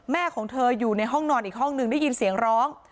ของเธออยู่ในห้องนอนอีกห้องหนึ่งได้ยินเสียงร้อง